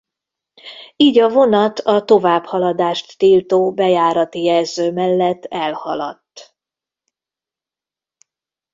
Így a vonat a továbbhaladást tiltó bejárati jelző mellett elhaladt.